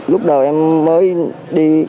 lúc đầu em mới đi